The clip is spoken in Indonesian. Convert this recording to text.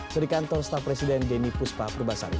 dari kantor staf presiden denny puspa purbasari